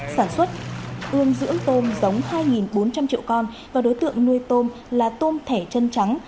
sản xuất ươm dưỡng tôm giống hai bốn trăm linh triệu con và đối tượng nuôi tôm là tôm thẻ chân trắng